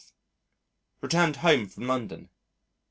Returned home from London.